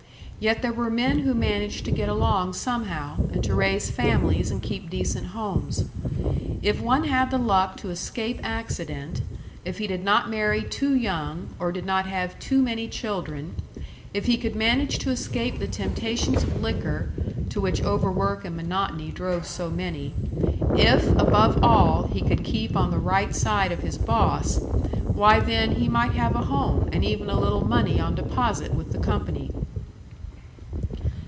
Yet there were men who managed to get along somehow, and to raise families and keep decent homes. If one had the luck to escape accident, if he did not marry too young, or did not have too many children; if he could manage to escape the temptations of liquor, to which overwork and monotony drove so many; if, above all, he could keep on the right side of his boss why then he might have a home, and even a little money on deposit with the company.